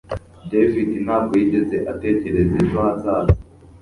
David ntabwo yigeze atekereza ejo hazaza